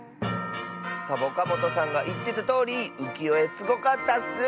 サボカもとさんがいってたとおりうきよえすごかったッス！